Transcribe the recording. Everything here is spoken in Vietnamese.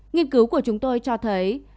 nghiên cứu của chúng tôi cho thấy